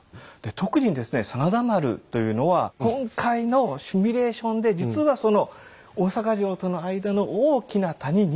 特にですね真田丸というのは今回のシミュレーションで実は大坂城との間の大きな谷に。